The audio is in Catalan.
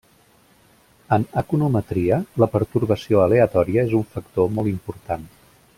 En econometria, la pertorbació aleatòria és un factor molt important.